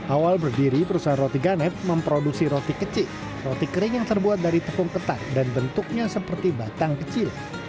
awal berdiri perusahaan roti ganep memproduksi roti kecik roti kering yang terbuat dari tepung ketan dan bentuknya seperti batang kecil